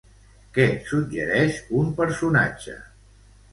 Què suggereix un personatge?